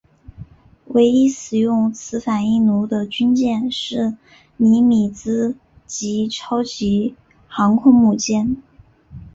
唯一使用此反应炉的军舰是尼米兹级超级航空母舰。